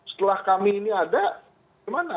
setelah kami ini ada gimana